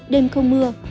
đêm không mưa